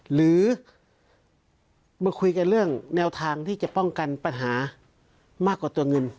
หรือมาคุยกันเรื่องแนวทางที่จะป้องกันปัญหามากกว่าตัวเงิน